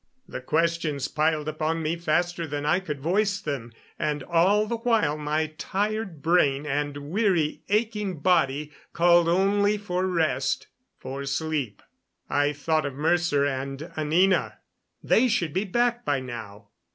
The questions piled upon me faster than I could voice them, and all the while my tired brain and weary, aching body called only for rest for sleep. I thought of Mercer and Anina. They should be back by now.